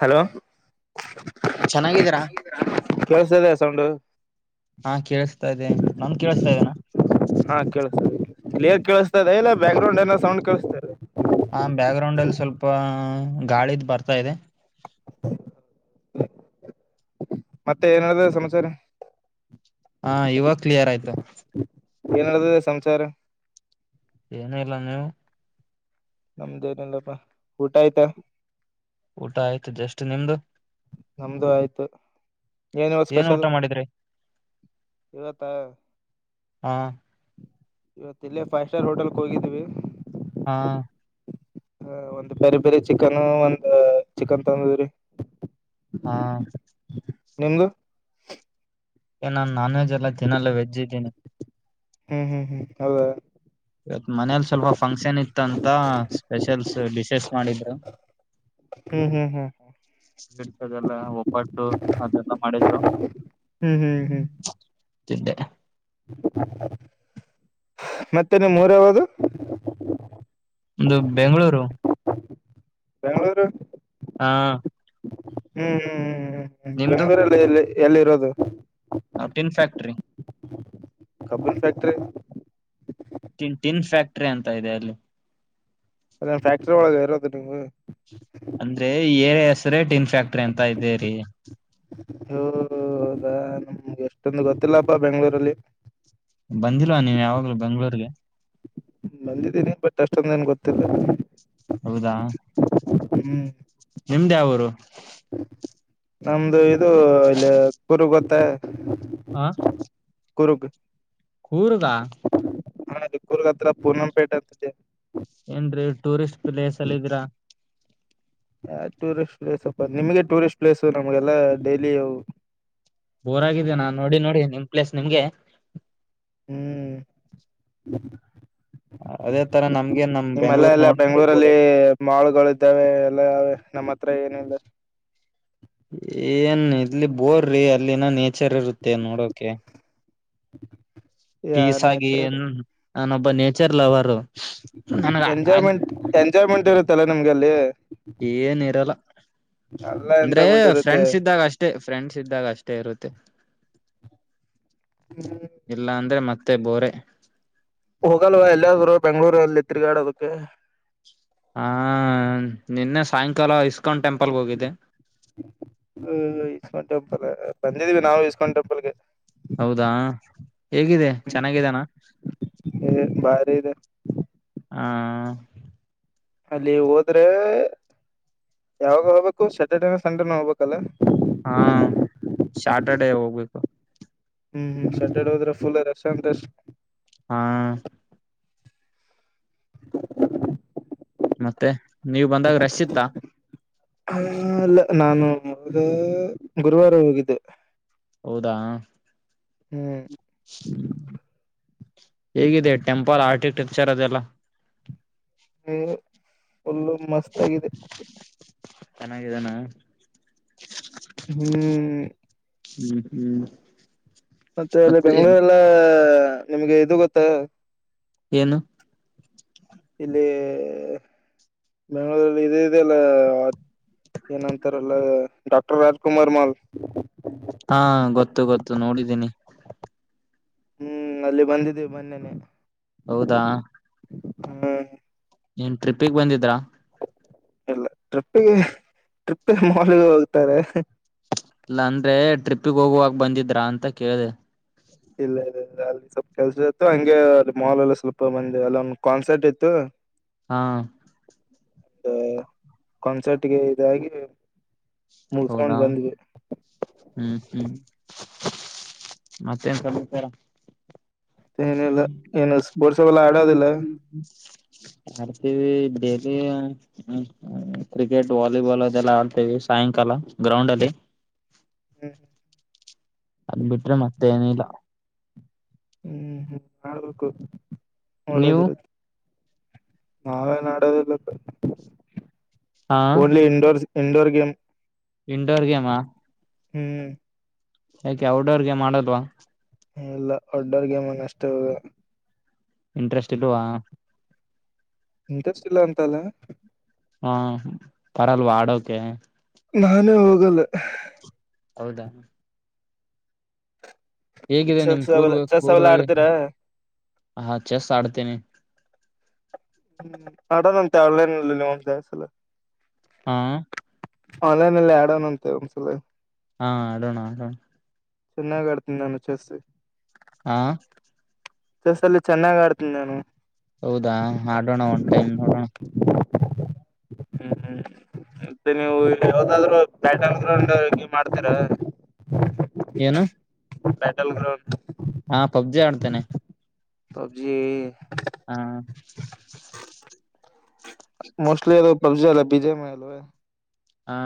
Hello ಚೆನ್ನಾಗಿದ್ದೀರಾ ಕೆಳ್ಸದೆ sound ಹಾ ಕೇೇಳಸ್ತಾ ಇ್ದೆ ನನ್ ಕೇೇಳಸ್ತಾ ಇದ್ದೇನಾ ಹಾ ಕೇಳಿಸ್ತದೆ ಕ್ಲಿಯರ್ ಕಿಸ್ತದೆ ಇಲ್ಲ ಬ್ಯಾಕ್ ಗ್ರೌಂಡ್ ಏ ಸೌಂಡ್ ಕೇಳಿಸತ ಇದೆ ಹ ಬ್ಯಾಗ್ರೌಂಡ್ ಅಲ್ಲಿ ಸ್ವಲ್ಪ ಗಾಳಿದ ಬರ್ತಾ ಇದೆ ಮತ್ತೆ ಏನ್ದ ಸಮಾಚಾರ ಹಾ ಇವಾಗ ಕ್ಲಿಯರ್ ಆಯ್ತು ಏನ ಸಂಸಾರ ಏನ ಇಲ್ಲ ನೀವು ನಮ್ದೇಏನಿಲ್ಲಪ್ಪ ಊಟ ಆಯ್ತಾ ಊಟ ಆಯ್ತ ಜಷ್ಟಟ್ ನಿಮ್ದು ನಮ್ದು ಆಯ್ತು ಏನಿವ ಏನು ಸ್ಪೆಷಲ್ ಊಟ ಮಾಡಿದ್ರಿ ಇವತ್ತಾ ಹಾ ಇವತ್ತ ಇಲ್ಲಿ ಫೈವ್ ಸ್ಟಾರ್ ಹೋಟೆಲ್ ಹೋಗಿದ್ದೀವಿ ಹಾ ಹ ಒಂದು್ ಪೆರಿ ಪೆರಿ ಚಿಕನ್ ಒಂದ ಚಿಕನ್ ತಂದೂರಿ ಹಾ ನಿಮ್ದು ನಾನನ್ ನಾನ್ ವೆಜ್ ಎಲ್ಲ ತಿನ್ನಲ್ಲ ವೆಜ್ ಇದ್ದೀನಿ ಹ್ಮ್ ಹ್ಮ್ ಹ್ಮ್ ಹೌ ಇವತ್ ಮನೇಲಿ ಸ್ವಲ್ಪ ಫಂಕ್ಷನ್ ಇತ್ತ ಅಂತ ಸ್ಪೆಷಲ್ಸ್ ಡಿಶಸ್ ಮಾಡಿದ್ರು ಹ್ಮ್ ಹ್ಮ್ ಹ್ಮ್ ನೀಡ್ತದೆಲ್ಲ ಒಬ್ಬಟ್ಟು ಅದೆಲ್ಲ ಮಾಡಿದ್ರು ಹ್ಮ್ ಹ್ಮ್ ಹ್ಮ್ ಚಿದ್ದ ಮತ್ತೆ ನಿಮ್ಮ ಊರು ಯಾವದು ಒ್ದ ಬೆಂಗಳೂರು ಬೆಂಗಗಳೂರು ಹಾ. ಹ್ಮ್ ಹ್ಮ್ ಹ್ಮ್ ಹ್ಮ್ ಹ್ಮ್ ಬೆಂಗ್ಗಳೂರಲ್ಲಿ ಎಲ್ಲಿ ಎಲ್ಲಿರೋದು. ಹ ಟಿನ್ ಫ್ಯಾಕ್ಟ್ರಿ. ಕಬ್ಬುರ್ ಫ್ಯಾಕ್ಟರಿ. ಟಿನ್ ಟಿನ್ ಫ್ಯಾಕ್ಟ್ರಿ ಅಂತ ಇದೆ ಅಲ್ಲಿ. ಅ ಫ್ಯಾಕ್ಟರಿ ಒಳಗಗೆ ಇರದು ನೀವು ಅಂದ್ರೆ ಏರೆ ಹೆಸ್ರೇ ಟಿನ್ ಫ್ಯಾಕ್ಟ್ರಿ ಅಂತ ಇದೇ ರಿ. [unintelligible] ಹದಾ ನಮ್ಗೆ ಎಷ್ಟೊಂದು ಗೊತ್ತಿಲ್ಲಪ್ಪ ಬೆಂಗ್ಳೂರಲ್ಲಿ. ಬಂದಿಲ್ವಾ ನೀವ ಯಾವಾಗ್ಲೂ ಬೆಂಗ್ಗಳೂರ್ಗೆ. ಬಂದಿದ್ದೀನಿ ಬಟ್ ಅಷ್ಟೊಂದೇ ಏನ್ ಗೊತ್ತಿಲ್ಲ. ಹೌದಾ ಹ್ಮ್ ನಿಮ್ದ ಯಾವೂರು. ನಮ್ದು ಇದು ಇಲ್ಲಿ ಕುರು ಗೊತ್ತ. ಆ. ಕೂರ್ಗ್. ಕೂರ್ಗ. ಹ ಚಿಕ್ಕೂರ್ಗ ಹತ್ರ ಪೂನಂಪೇಟೆ ಅಂತ ಇದೇ. ಏನ್ರೀ ಟೂರಿಸ್ಟ್ ಪ್ಲೇಸ್ ಅಲ್ಲಿದ್ದೀರಾ. ಯಾವ ಟೂರಿಸ್ಟ್ ಪ್ಲೇಸ್ ಅಪ್ಪ ನಿಮ್ಗೆ ಟೂರಿಸ್ಟ್ ಪ್ಲೇಸ್ ನಮ್ಗೆಲ್ಲಾ ಡೈಲಿ. ಬೋರ್ ಆಗಿದೆ ನಾ ನೋಡಿ ನೋಡಿ ನಿಮ್ ಪ್ಲೇಸ್ ನಿಮಗೆ. ಹ್ಮ್. ಹ್ಮ. ನಿಮ್ಮಲ್ಲ ಎಲ್ಲ ನೋಡಿ ಬೋಡ ಬೆಂಗ್ಗಳೂರಲ್ಲಿ ಮಾಲ್ಗಳು ಇದ್ದಾವೆ ಎಲ್ಲಾವೆ. ನಮ್ಮ ಹತ್ರ ಏನಿಲ್ಲ. ಏನ್ ಇಲ್ಲಿ ಬೋರ್ರಿ ಅಲ್ಲಿನ ನೇಚರ್ ಇರುತ್ತೆ ನೋಡೋಕೆ. [inaudible] ಪೀಸ್ ಆಗಿ ನೇಚರ್ ನಾನೊಬ್ಬ ನೇಚರ್ ಲವರು ನನ ಅ. ಎಂಜಾಯ್ಮೆಂಟ್ ಎಂಜಾಯ್ಮೆಂಟ್ ಇರುತ್ತಲ್ಲ ನಮ್ಗೆ ಅಲ್ಲಿ. ಏನ ಇರಲ್ಲ ಎಲ್ಲಾ ಅಂದ್ರೆ ಎಂಜಾಯ್ಮೆಂಟ್ ಇರುತ್ತೆ ಫ್ರೆಂಡ್ಸ್ ಇದ್ದಾರೆ ಅಷ್ಟೆ. ಫ್ರೆಂಡ್ಸ್ ಇದ್ದಾಗ ಅಷ್ಟೇ ಇರುತ್ತೆ ಹ್ಮ್ ಇಲ್ಲ ಅಂದ್ರೆ ಮ. ಮತ್ತೆ ಬೋರೆ. ಹೋಗಲ್ವಾ ಎಲ್ಲಾದ್ರು ಬೆಂಗ್ಗಳೂರು ಅಲ್ಲಿ ತಿರ್ಗಾಡೋದಕ್ಕೆ. ಹಾ ನಿನ್ನೆ ಸಾಯಂಕಾಲ ಇಸ್. ಹ್ಮ ಇಷ್ಟ ಮಾಡ ಬ್ಬರ. [unintelligible] ಬಂದಿದೀವಿ ನಾವು ಇಸ್ಕಾನ್ ಟೆಂಪಲ್ ಗೆ. ಹೌದಾ ಹೇಗಿದೆ ಚೆನ್ನಾಗಿದ್ದಾನ. ಏ ಬಾರಿ ಇದೆ ಹಾ. ಅಲ್ಲಿ ಹೋದ್ರೆ ಯಾವಾಗ ಹೋಗ್ಬೇಕು ಸ್ಯಾಟರ್ಡೇನ ಸಂಡೇನ ಹೋಗ್ಬೇಕಲ್ಲ. ಹಾ ಸ್ಯಾಟರ್ಡೇ ಹೋಗ್ಬೇಕು. ಹ್ಮ್ ಹ್ಮ್ ಸಾಟರ್ಡೆ ಹೋದ್ರೆ ಫುಲ್ ರಸ ಅಂತಷ್ಟ. ಹಾ. ಮತ್ತೆ ನೀವು ಬಂದಾಗ ರೆಶ ಇತ್ತ. ಹ ಅಲ್ಲ ನಾನು ಮ ಗುರುವಾರ ಹೋಗಿದ್ದೆ. ಹೌದಾ. ಹ್ಮ್. ಹ್ಮ ಹೇಗಿದೆ ಟೆಂಪಲ್ ಆರ್ಟಿಟ. ವಿಚಾರದೆಲ್ಲ. ಹ ಫುಲ್ಲು ಮಸ್ತ್ ಆಗಿದೆ. ಚೆನ್ನಾಗಿದ್ದಾನ. ಹ್ಮ್. ಹ್ಮ್ ಹ್ಮ್. ಮತ್ತೆ ಅಲ್ಲಿ ಬೆಂಗ್ಗಳೂರೆಲ್ಲ ನಿಮ್ಗೆ ಇದು ಗೊತ್ತ ಏನು. ಇಲ್ಲಿ ಬೆಂಗಳೂರಲ್ಲಿ ಇದು ಇದೆಲ್ಲ ಏನಂತಾರಲ್ಲ ಡಾಕ್ಟರ್ ರಾಜ್ಕುಮಾರ್ ಮಾಲ್. ಹಾ ಗೊತ್ತು ಗೊತ್ತು ನೋಡಿದ್ದೀನಿ. ಹ್ಮ್ ಅಲ್ಲಿ ಬಂದಿದ್ದೀವಿ ಮೊನ್ನೇನೆ. ಹೌದಾ. ಹ್ಮ್ ಏನ್ ಟ್ರಿಪ್ಪಿಗ್ ಬಂದಿದ್ರಾ. ಇಲ್ಲ ಟ್ರಿಪ್ಪಿಗೆ ಟ್ರಿಪ್ಪಿಗೆ ಮಾಲಿಗ ಹೋಗ್ತಾರೆ. ಇಲ್ಲ ಅಂದ್ರೆ ಟ್ರಿಪ್ಪಿಗ ಹೋಗುವಾಗ ಬಂದಿದ್ರಾ ಅಂತಾ ಕೇಳ್ದೆ. ಇಲ್ಲ ಇಲ್ಲ. ಅಲ್ಲಿ ಸ್ವಲ್ಪ ಕೆಲ್ಸ ಇತ್ತು ಹಂಗೆ ಅದು ಮಾಲ್ ಲಲ್ಲಿ ಸ್ವಲ್ಪ ಮಂದಿ ಅಲ್ಲ ಒಂದ ಕಾನ್ಸರ್ಟ್ ಇತ್ತು. ಹಾ ದ ಕಾನ್ಸರ್ಟ್ಗೆ ಇದಾಗಿ ಮುಗಸ್ಕೊಂಡ್ ಹೌದಾ ಬಂದ್ವಿ ಹ್ಮ್ ಹ್ಮ್. ಮತ್ತೆನ್ ಸಮಾಚಾರ. ಏನಿಲ್ಲ ಏನು [unintelligible] ಸ್ಪೋರ್ಟ್ಸ್ ಅವೆಲ್ಲ ಆಡೋದಿಲ್ಲ ಡೇಲಿ ಕ್ರಿಕೆಟ್ ವಾಲಿಬಾಲ್ ಅದೆಲ್ಲ ಆಡ್ತೇವಿ ಸಾಯಂಕಾಲ ಗ್ರೌಂಡ್ ಅಲ್ಲಿ. [inaudible] ಹ್ಮ್ ಹ್ಮ್ ಅದಬಿಟ್ರೆ ಮತ್ತೇನಿಲ್ಲ. ಹ್ಮ್ ಹ್ಮ್ ಮಾಡ್ಬೇಕು ನೀವು ಒಳ್ಳೇದ್ರಿ. ನಾವೇನ್ ಆಡೋದಿಲ್ಲ ಹಾ only indoor indoor game. Indoor ಗೇಮಾ. ಹ್ಮ್ ಯಾಕೆ ಔಟ್ಡೋರ್ ಗೇಮ್ ಆಡಲ್ವಾ. ಏ ಇಲ್ಲ ಔಟ್ಡೋರ್ ಗೆಮೆನಸ್ಟ್ ಇಂಟ್ರೆಸ್ಟ್ ಇಲ್ವಾ. ಇಂಟ್ರೆಸ್ಟ್ ಇಲ್ಲ ಅಂತ ಅಲ್ಲ. ಹಾ ಬರಲ್ವಾ ಆಡೋಕೆ. ನಾನೇ ಹೋಗಲ್ಲ. ಹೌದಾ. ಹೇಗಿದೆ ನಿಮ್ ಚೆಸ್ ಅವೆಲ್ಲ ಕೂರ್ಗ್ ಚೆಸ್ ಅವೆಲ್ಲ ಕುರ್ಗವಳಗ ಆಡ್ತೀರಾ ಹಾ ಚೆಸ್ ಆಡ್ತೀನಿ. ಆಡದಂತೆ ಆನ್ಲೈನ್ ನಲ್ಲಿ [unintelligible] ಹಾ ಆನ್ಲೈನ್ ನಲ್ಲಿ ಆಡೋಣ ಅಂತೆ ಒಂದ್ಸಲ ಹಾ ಆ ಡೋಣ ಆಡೋಣ. ಚೆನ್ನಾಗ ಆಡ್ತೀನಿ ನಾನು ಚೆಸ್. ಹಾ ಚೆಸಲ್ಲಿ ಚೆನ್ನಾಗ್ ಆಡ್ತಿನಿ ನಾನು. ಹೌದಾ ಆಡೋಣ ಒನ್ ಟೈಮ್ ನೋಡೋಣ. ಹ್ಮ್ ಹ್ಮ್ ಮತ್ತೆ ನೀವು ಯಾವ್ದಾದ್ರು ಬ್ಯಾಟ್ ಆನ್ ಗ್ರೌಂಡ್ ಗೇಮ್ ಆಡ್ತೀರಾ. ಏನು ಬ್ಯಾಟಲ್ ಗ್ರೌಂಡ್. ಹಾ ಪಬ್ಜಿ ಆಡ್ತೇನೆ. ಪಬ್ಜಿ. ಹಾ ಮೋಸ್ಟ್ಲಿದು ಪಬ್ಜಿ ಅಲ್ಲ ಬಿಜೆ ಮಲ್ಲ ಹಾ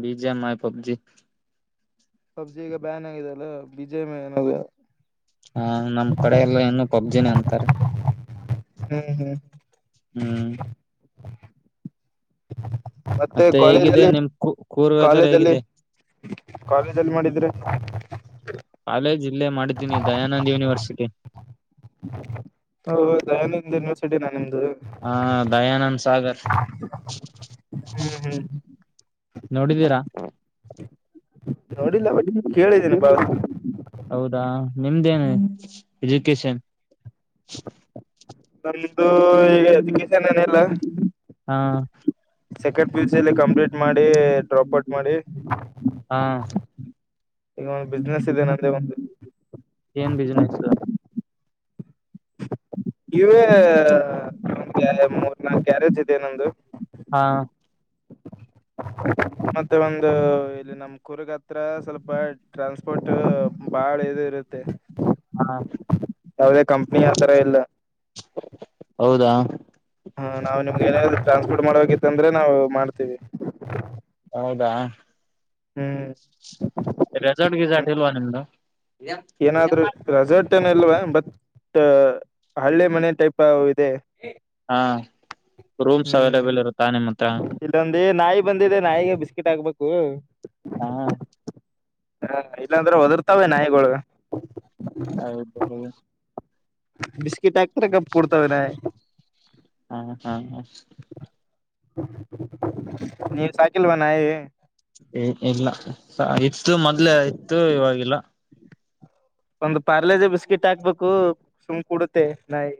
ಬೀಜೆ ಆ ಆ ಪಬ್ಜಿ ಪಬ್ಜಿ ಈಗ ಬ್ಯಾನ್ ಆಗಿದೆಲ್ಲ ಬಿಜಯ ಮಏನ ಹಾ ನಮ್ಮ್ ಕಡೆ ಎಲ್ಲ ಇನ್ನು ಪಬ್ಜಿನೇ ಅಂತಾರೆ ಹ್ಮ್ ಹ್ಮ್್ಮ ಹ್ಮ್ ಮತ್ತೆ ಕಾಲೇಜ ಹೇಗಿದೆ ಅಲ್ಲಿ ನಿಮ್ ಕೂ ಕೂರ್ ವೆದರ್ ಕಾಲೇಜಲ್ಲಿ ಹೇಗಿದೆ ಕಾಲೇಜಲ್ಲಿ ಮಾಡಿದ್ರೆ ಕಾಲೇಜ್ ಇಲ್ಲೇ ಮಾಡಿದ್ದೀನಿ ದಯಾನಂದ್ ಯೂನಿವರ್ಸಿಟಿ ಹ ದಯಾನಂದ ಯನಿವರ್ಸಿಟಿ ನ ನಮ ಹ ದಯಾನಂದ್ ಸಾಗರ್ ಹ್ಮ ಹ್ಮ್ ಹ್ಮ್ ನೋಡಿದ್ದೀರಾ ನೋಡಿಲ್ಲ ಬಟ್ ಕೇಳಿದ್ದೇನಿ ಬಾಳ ಹೌದಾ ನಿಮ್ದೇನು ಎಜುಕೇಶನ್ ನಮ್ದು ಈಗ ಅದಿಕಸನ್ನೆಲ್ಲ ಹಾ ಕಂಪ್ಲೀಟ್ ಮಾಡಿ ಡ್ರಾಪ್ ಔಟ್ ಮಾಡಿ ಹಾ ಈಗ ಒಂದು ಬಿಸ್ನೆಸ್ ಇದೆ ನಂದೇ ಒಂದು ಏನ್ ಬಿಜನೆಸ್ ನೀವೇ ನಮ್ಗೆ ಮೂರ್ ನಾಲ್ಕು ಕ್ಯಾರೇಜ್ ಇದೆನ್ನೊಂದು ಹಾ ಮತ್ತೆ ಒಂದು ಇಲ್ಲಿ ನಮ್ ಕುೂರ್ಗ ಹತ್ರ ಸ್ವಲ್ಪ ಟ್ರಾನ್ಸ್ಪೋರ್ಟ್ ಬಾಳ ಇದು ಇರುತ್ತೆ ಹಾ ಯಾವುದೇ ಕಂಪನಿ ಆತರ ಇಲ್ಲ ಹೌದಾ ಹಾ ನಾವು ನಿಮ್ಗೆ ಏನಾದರು ಟ್ರಾನ್ಸ್ಪೋರ್ಟ್ ಮಾಡತ್ತು ಅಂದ್ರೆ ನಾವು ಮಾಡ್ತೀವಿ ಹೌದಾ ಹ್ಮ್ ರೆಸೋರ್ಟ್ಗೆಸಟಲ್ವಾ ನಿಮ್ದ ಏನಾದ್ೂ ರಸರ್ಟ್ ಅಲ್ವಾ ಬಟ್ ಹಳ್ಳೆ ಮನೆ ಟೈಪ್ ಇದೆ ಹಾ ರೂಮ್ಸ್ ಅವೈಲಬಲ್ ಇರುತ್ತಾ ನಿಮ್ಮ ಹತ್ರ ಅೇ ನಾಯಿ ಬಂದಿದೆ ನಾಯಿಗೆ ಬಿಸ್ಕಿಟ್ ಹಾಕ್ಬೇಕು ಹಾ ಹಾ ಇಲ್ಲಾಂದ್ರೆ ಒದರ್ತಾವೇ ನಾಯಿಗೊಳಗ ಹೌದು ಬಿಿಸ್ಕಿಟ್ ಎ ತರಕ ಪಡ್ತವೆ ನ ಹಾ ಹಾ ನೀ ಸೈಕಲ್ ಬನ್ನಾಯ ಇಲ್ಲ ಇತ್ತು ಮೊದ್ಲೆೇ ಇತ್ತು ಇವಾಗಿಲ್ಲ ಒಂದು್ ಪಾರ್ಲೆಜ ಬಿಸ್ಕಿಟ್ ಹಾಕ್ಬೇಕು ಸುಂಕ ಕುಡುತ್ತೆ ನಾಯಿ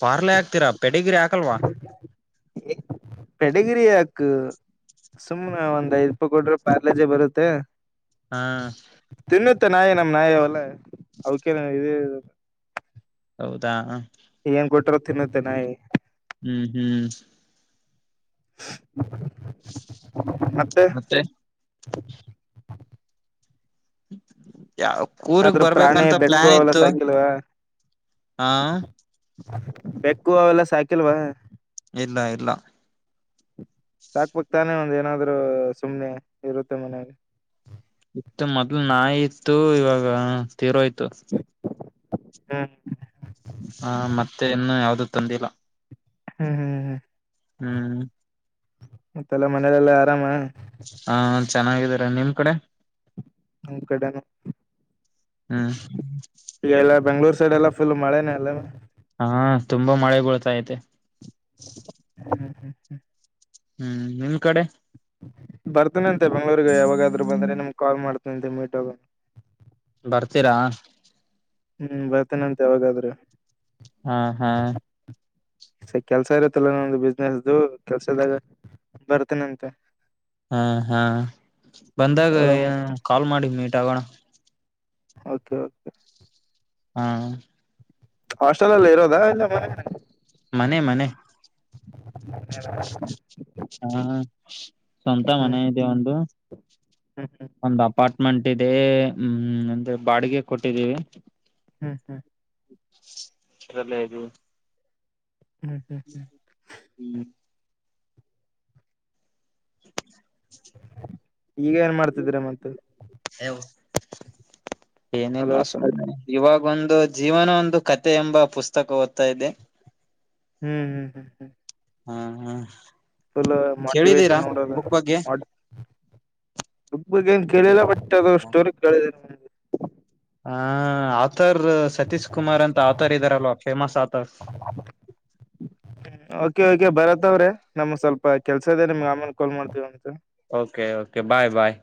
ಪಾರ್ಲೆ ಹಾಕ್ತೀರಾ ಪೆಡಿಗಿರಿ ಹಾಕಲ್ವಾ ಹ ಪಡಗಿರಿ ಯಾಕ ಸುಮ್ನೆ ಒಂದ್ ಐದ್ ರೂಪಾಯಿ ಕೊಡ್ರೆ ಪಾರ್ಲೇಜೆ ಬರುತ್ತೆ ಹಾ ವನ್ನತ ನಾಯಿ ನಮ್ಮ ನಾಯವಲ್ಲ ಅವಕೇ ಇದೇ ಹೌದಾ ಏನ್ ಕೊಟಿರ ತಿನ್ನುತ್ತೇ ನ ಹ್ಮ್ ಹ್ಮ್ ಮತ್ತೆ ಹ ಯಾವ ಊರ್ಗ್ ಅದ್ರ ಪ್ರಾಣಿ ಬರ್ಬೇಕಂತ ಬೆಕ್ಕು ಪ್ಲಾನ್ ಅವೆಲ್ಲ ಇತ್ತು ಸಾಕಿಲ್ವಾ ಹಾ ಬೆಕ್ಕು ಅವೆಲ್ಲ ಸಾಕಿಲ್ವಾ ಇಲ್ಲ ಇಲ್ಲ ಸಾಕಬೇಕು ತಾನೆ ಒಂದು ಏನಾದ್ರು ಸುಮ್ನೆ ಇರುತ್ತೆ ಮನೆಲಿ ಇತ್ತು ಮೊದ್ಲು ನಾಯಿ ಇತ್ತು ಇವಾಗ ತೀರೋಯ್ತು ಹ್ಮ್ ಹಾ ಮತ್ತೆ ಇನ್ನು ಯಾವ್ದು ತಂದಿಲ್ಲ ಹ್ಮ್ ಹ್ಮ್ ಹ್ಮ್ ಹ್ಮ್ ಮತ್ತೆಲ್ಲ ಮನಲೆಲ್ಲಾ ಆರಾಮ ಹಾ ಚೆನ್ನಾಗಿದಾರ ನಿಮ್ ಕಡೆ ನಮ ಕಡೆನು ಹ್ಮ್ ನಿಮ್ಮ್ ಕಡೆ ಫುಲ್ ಮಳೆನೆ ಅಲ್ಲ ಹಾ ತುಂಬಾ ಮಳೆ ಬರ್ತಾಯೈತೆ ಹ್ಮ ಹ್ಮ್ ನಿಮ ಕಡೆ ಬರ್ತನಂತೆ ಬೆಂಗಳೂರ್ಗ ಯಾವಾಗಾದರು ಬಂದ್ರೆ ನಿಮ್ಗೆ ಕಾಲ್ ಮಾಡ್ತನಂತೆ ಮೀಟ್ ಆಗೋಣ ಬರ್ತೀರಾ ಹ್ಮ್ ಬರ್ತೇನೆ ಅಂತೆ ಯಾವಾಗಾದ್ರೆ ಹಾ ಹಾ ಸ್ವಲ್ಪ ಕೆಲ್ಸ ಇರುತ್ತಲ್ಲ ನಂದು ಬಬಿಸಿನೆಸ್ದು ಕೆಲ್ಸದಾಗ ಬರ್ತೇನಂತೆ ಹಾ ಹಾ ಬಂದಾಗ ಕಾಲ್ ಮಾಡಿ ಮೀಟ್ ಆಗೋಣ ಓಕೆ ಓಕೆ ಹಾ ಹಾಸ್ಟಲ್ ಅಲ್ಲಿ ಇರೋದ ಇಲ್ಲ ಮನೇನ ಮನೆ ಮನೆ ಹಾ ಸ್ವಂತ ಹ್ಮ್ ಮನೆ ಇದೆ ಒಂದು ಹ್ಮ್ ಹ್ಮ್ ಒಂದು ಅಪಾರ್ಟ್ಮ ಮೆಂಟ್ ಇದೆ ಹ್ಮ್ ಅಂದ್ರೆ ಬಾಡಿಗೆ ಕೊಟ್ಟಿದ್ದೀವಿ ಹ್ಮ್ ಹ್ಮ್ ಇಲ್ಲೇ ಇದೀವಿ ಹ್ಮ್ ಹ್ಮ್ ಹ್ಮ್ ಹ್ಮ್ ಈಗ ಏನ್ ಮಾಡ್ತಿದೇರಾ ಮತ್ತೆ ಏನಿಲ್ಲ ಹಲೋ ಸುಮ್ನೆ ಇವಾಗ ಒಂದು ಜೀವನ ಒಂದು ಕತೆೆ ಎಂಬ ಪುಸ್ತಕ ಓದ್ತಾ ಇದೆ ಹ್ಮ್ ಹ್ಮ್ ಹ್ಮ್ ಹ್ಮ್ ಹಾ ಹಾ ಕೇಳಿದ್ದೀರಾ ಮೋಟಿವೆಷನ್ ಬುಕ್ ಮಾಡೋದು ಬಗ್ಗೆ ಬುಕ್ ಏನು ಕೇಳಿಲ್ಲ ಬಟ್ ಅದು ಸ್ಟೋರಿ ಕೇಳಿದಿನಿ ಹ ಆಥರ್ ಸತೀಶ್ ಕುಮಾರ್ ಅಂತ ಆಥರ್ ಇದಾರಲ್ವ ಫೇಮಸ್ ಆಥರ್ ಓಕೆಓಕೆ ನಮಗೇ ಸ್ವಲ್ ಕೆಲ್ಸದದೆ ನಿಮ್ಗೆ ಆಮೇಲೆ ಕಲ್ ಮಾಡ್ತೀವಿ ಓಕೆ ಓಕೆ ಬಾಯ್ ಬಾಯ್